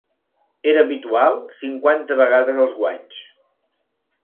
Era habitual cinquanta vegades els guanys.